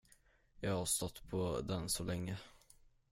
Jag har stått på den så länge.